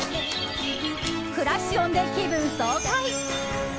クラッシュ音で気分爽快！